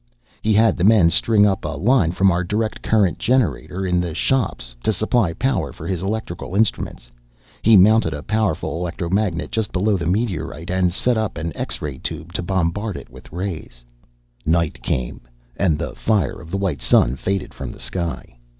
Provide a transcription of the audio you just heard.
He had the men string up a line from our direct current generator in the shops, to supply power for his electrical instruments. He mounted a powerful electromagnet just below the meteorite, and set up an X ray tube to bombard it with rays. Night came, and the fire of the white sun faded from the sky.